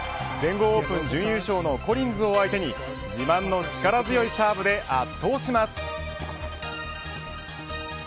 全豪オープン準優勝のコリンズを相手に自慢の力強いサーブで圧倒します。